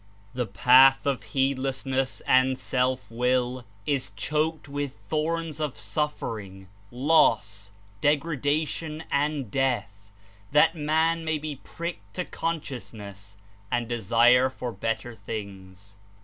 The path of heedlessness and self will Is choked with thorns of suffering, loss, degradation and death that man may be pricked to consciousness and desire for better things.